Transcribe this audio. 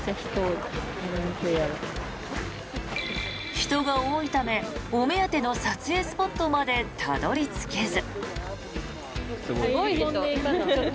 人が多いためお目当ての撮影スポットまでたどり着けず。